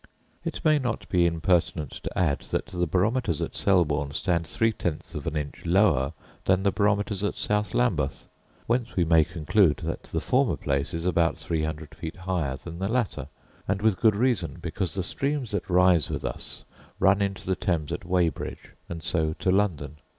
It may not be impertinent to add, that the barometers at Selborne stand three tenths of an inch lower than the barometers at South Lambeth; whence we may conclude that the former place is about three hundred feet higher than the latter; and with good reason, because the streams that rise with us run into the Thames at Weybridge, and so to London.